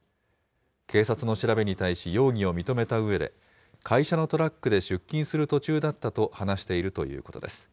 警察の調べに対し容疑を認めたうえで、会社のトラックで出勤する途中だったと話しているということです。